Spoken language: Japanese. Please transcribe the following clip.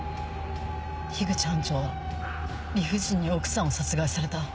口班長は理不尽に奥さんを殺害された。